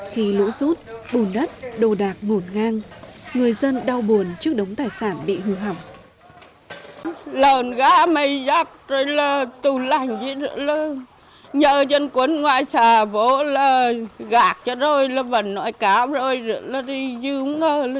khi lũ rút bùn đất đồ đạc ngổn ngang người dân đau buồn trước đống tài sản bị hư hỏng